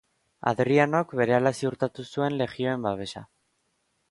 Hadrianok berehala ziurtatu zuen legioen babesa.